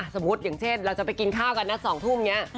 สมมุติอย่างเช่นเราจะไปกินข้าวกันนะ๒ทุ่มนี้